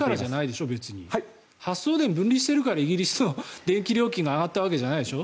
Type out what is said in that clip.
それはでも発送電を分離しているからイギリスの電気料金が上がったわけじゃないでしょ？